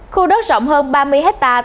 khu đất rộng hơn ba mươi hectare